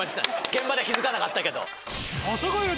現場で気付かなかったけど。